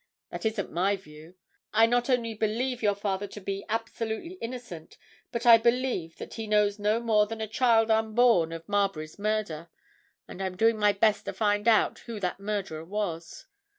That isn't my view. I not only believe your father to be absolutely innocent, but I believe that he knows no more than a child unborn of Marbury's murder, and I'm doing my best to find out who that murderer was.